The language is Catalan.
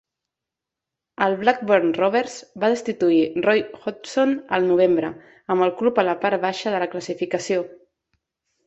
El Blackburn Rovers va destituir Roy Hodgson al novembre, amb el club a la part baixa de la classificació.